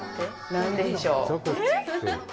何でしょう？え！？